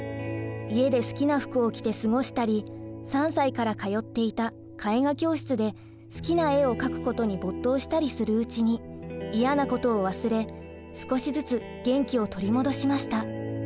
家で好きな服を着て過ごしたり３歳から通っていた絵画教室で好きな絵を描くことに没頭したりするうちに嫌なことを忘れ少しずつ元気を取り戻しました。